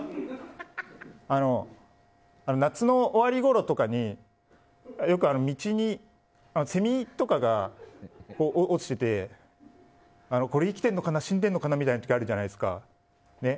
あの、夏の終わりごろとかによく道にセミとかが落ちててこれ生きてるのかな死んでるのかなみたいな時あるじゃないですか。